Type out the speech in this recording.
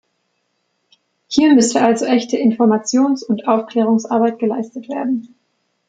Hier müsste also echte Informationsund Aufklärungsarbeit geleistet werden.